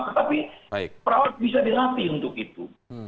tetapi perawat bisa dilatih untuk itu